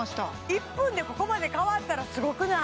１分でここまで変わったらすごくない？